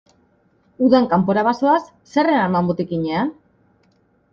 Udan kanpora bazoaz, zer eraman botikinean?